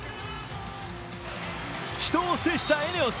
死闘を制したＥＮＥＯＳ。